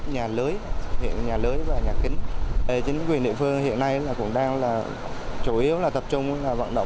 nhiều nhà lưới nhà kính trồng rau hoa công nghệ cao nhiều ngôi nhà bơ vơ giữa biển nước